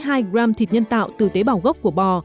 với hai gram thịt nhân tạo từ tế bào gốc của bò